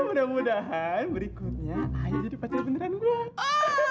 mudah mudahan berikutnya ayah jadi pacar beneran gue